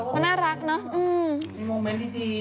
เพราะรักกันหรือไม่